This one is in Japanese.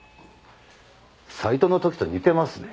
斎藤の時と似てますね。